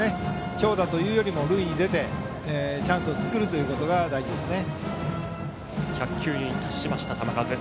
長打というよりも、塁に出てチャンスを作ることが大事ですね。